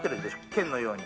剣のように。